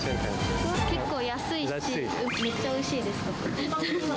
結構安いし、めっちゃおいしいです。